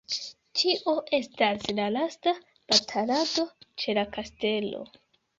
Tio estas la lasta batalado ĉe la kastelo.